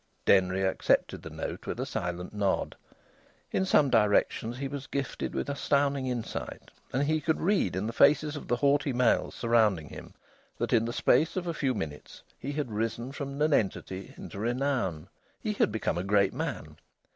Denry accepted the note with a silent nod. In some directions he was gifted with astounding insight, and he could read in the faces of the haughty males surrounding him that in the space of a few minutes he had risen from nonentity into renown. He had become a great man.